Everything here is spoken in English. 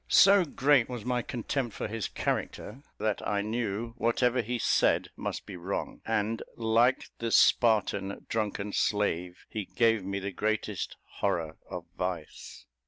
So great was my contempt for his character, that I knew whatever he said must be wrong, and, like the Spartan drunken slave, he gave me the greatest horror of vice.